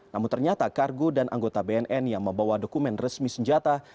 namun ternyata kargo dan anggota bnn yang membawa dokumen resmi senjata